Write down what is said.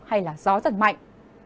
hay gió giật mạnh